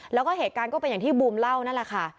แล้วก็เหตุการณ์ก็เป็นอย่างที่บูมเล่านั่นแหละค่ะ